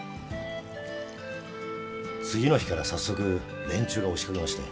次の日から早速連中が押しかけまして。